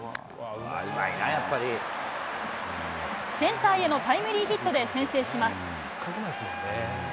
センターへのタイムリーヒットで先制します。